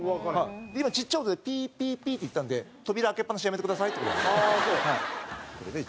今、ちっちゃい音でピーピーピーっていったんで扉開けっ放し、やめてくださいっていう事です。